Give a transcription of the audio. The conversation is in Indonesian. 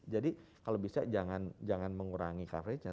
jadi kalau bisa jangan mengurangi coverage nya